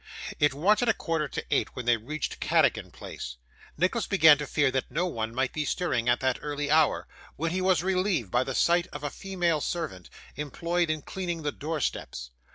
It wanted a quarter to eight when they reached Cadogan Place. Nicholas began to fear that no one might be stirring at that early hour, when he was relieved by the sight of a female servant, employed in cleaning the door steps.